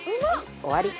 終わり。